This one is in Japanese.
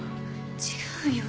違うよ。